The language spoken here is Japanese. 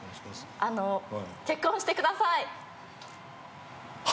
あの結婚してください！